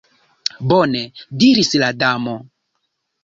"Bone," diris la Damo.